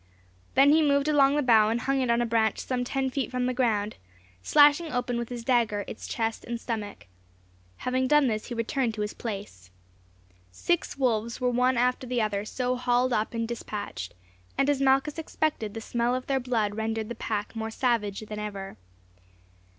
Then he moved along the bough and hung it on a branch some ten feet from the ground, slashing open with his dagger its chest and stomach. Having done this he returned to his place. Six wolves were one after the other so hauled up and despatched, and, as Malchus expected, the smell of their blood rendered the pack more savage than ever.